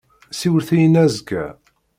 Siwlet-iyi-n azekka.